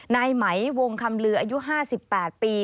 นายไหมวงคำลืออายุ๕๘ปี